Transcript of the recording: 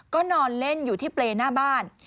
ก็นอนเล่นอยู่ที่เปรย์หน้าบ้าน